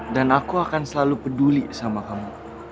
dan aku akan selalu peduli sama kamu